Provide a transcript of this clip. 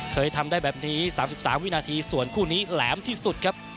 เคยทำได้แบบนี้๓๓วินาทีส่วนคู่นี้แหลมที่สุดครับ